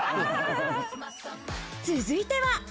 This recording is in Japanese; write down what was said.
続いては。